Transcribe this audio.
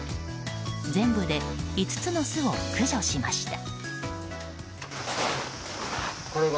全部で５つの巣を駆除しました。